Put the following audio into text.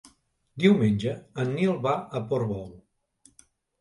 Diumenge en Nil va a Portbou.